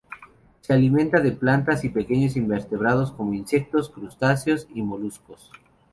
Se alimenta de plantas y pequeños invertebrados como insectos, crustáceos y moluscos.